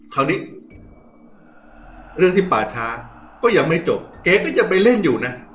คราวนี้เรื่องที่ป่าช้าก็ยังไม่จบแกก็จะไปเล่นอยู่นะ